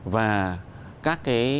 và các cái